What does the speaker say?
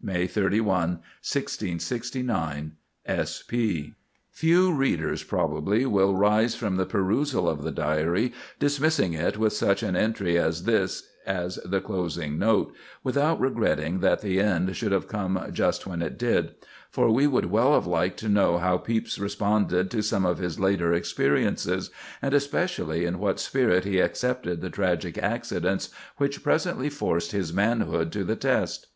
May 31, 1669. S. P. Few readers probably will rise from the perusal of the Diary, dismissing it with such an entry as this as the closing note, without regretting that the end should have come just when it did; for we would well have liked to know how Pepys responded to some of his later experiences, and especially in what spirit he accepted the tragic accidents which presently forced his manhood to the test.